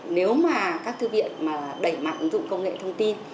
nếu mà các thư viện đẩy mặt ứng dụng công nghệ thông tin